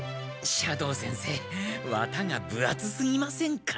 斜堂先生わたがぶあつすぎませんか？